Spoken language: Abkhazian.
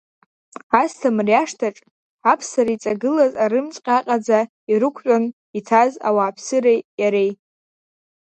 Асҭамыр иашҭаҿ аԥсара иҵагылаз арымӡ ҟьаҟьақәа ирықәтәан иҭаз ауааԥсыреи иареи.